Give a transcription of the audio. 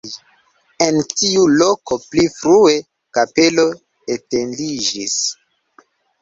En tiu loko pli frue kapelo etendiĝis.